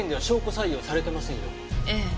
ええ。